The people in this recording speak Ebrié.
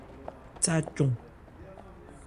Tha cɔn.